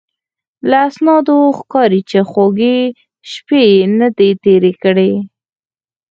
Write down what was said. له اسنادو ښکاري چې خوږې شپې یې نه دي تېرې کړې.